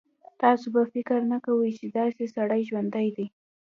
تاسو به فکر نه کوئ چې داسې سړی ژوندی دی.